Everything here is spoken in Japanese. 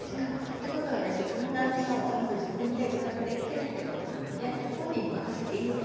ってことは寒暖の差をちゃんと自分で自覚できてるってことなので本人に任せていいわけですよ。